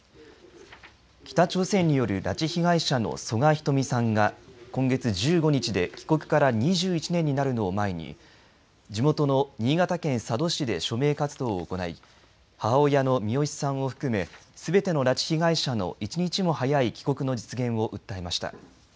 北朝鮮による拉致被害者の曽我ひとみさんが今月１５日で帰国から２１年になるのを前に地元の新潟県佐渡市で署名活動を行い母親のミヨシさんを含めすべての拉致被害者の一日も早い帰国の実現を訴えました。